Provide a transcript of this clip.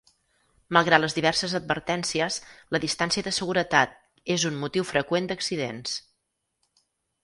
Malgrat les diverses advertències, la distància de seguretat és un motiu freqüent d"accidents.